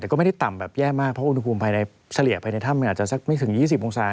แต่ก็ไม่ได้ต่ำแบบแย่มากเพราะอุณหภูมิภายในเฉลี่ยภายในถ้ำมันอาจจะสักไม่ถึง๒๐องศา